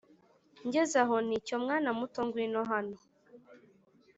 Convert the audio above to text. Ngeze aho nti: cyo mwana muto ngwino hano